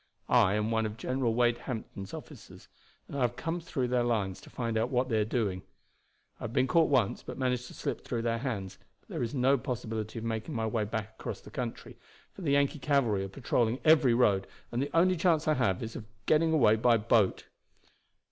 I am one of General Wade Hampton's officers, and I have come through their lines to find out what they are doing. I have been caught once, but managed to slip through their hands, but there is no possibility of making my way back across the country, for the Yankee cavalry are patrolling every road, and the only chance I have is of getting away by boat."